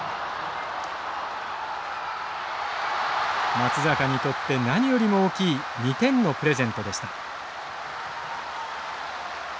松坂にとって何よりも大きい２点のプレゼントでした。